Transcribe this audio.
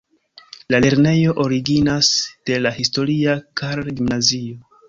La lernejo originas de la historia Karl-gimnazio.